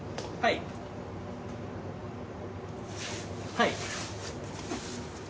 はい。